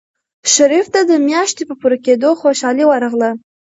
شریف ته د میاشتې په پوره کېدو خوشحالي ورغله.